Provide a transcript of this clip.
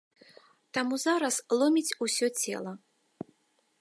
Таму зараз ломіць усё цела.